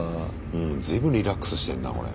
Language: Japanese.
随分リラックスしてんなこれ。